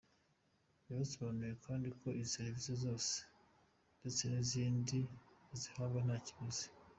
Yabasobanuriye kandi ko izi serivisi zose, ndetse n’izindi, bazihabwa nta kiguzi.